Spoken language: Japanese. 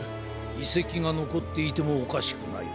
いせきがのこっていてもおかしくない。